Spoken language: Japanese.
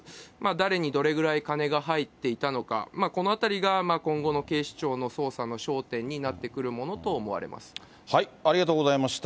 誰にどれぐらい金が入っていたのか、このあたりが今後の警視庁の捜査の焦点になってくるものと思われありがとうございました。